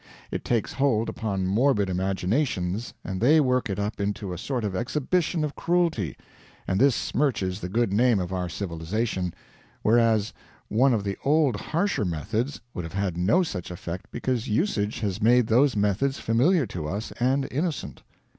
It takes hold upon morbid imaginations and they work it up into a sort of exhibition of cruelty, and this smirches the good name of our civilization, whereas one of the old harsher methods would have had no such effect because usage has made those methods familiar to us and innocent.